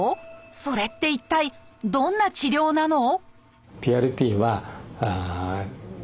それって一体どんな治療なの？